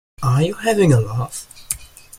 Are you having a laugh?